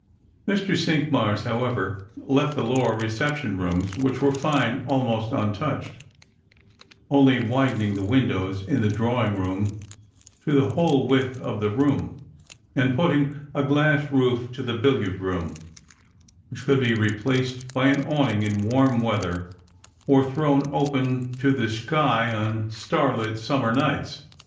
Mr. Cinqmars, however, left the lower recep tion rooms, which were fine, almost untouched, only widening the windows in the drawing room to the whole width of the room, and putting a glass roof to the billiard room, which could be replaced by an awning in warm weather, or thrown open to the sky on starlit summer nights.